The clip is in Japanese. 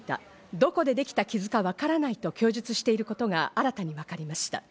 どこでできた傷かわからないと供述していることが新たに分かりました。